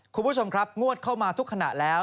คุณผู้ชมครับงวดเข้ามาทุกขณะแล้ว